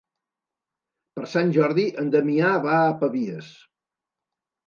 Per Sant Jordi en Damià va a Pavies.